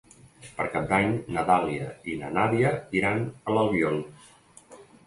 Per Cap d'Any na Dàlia i na Nàdia iran a l'Albiol.